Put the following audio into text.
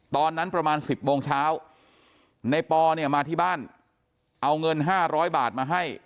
ตอนนั้นประมาณ๑๐โมงเช้าในปอเนี่ยมาที่บ้านเอาเงิน๕๐๐บาทมาให้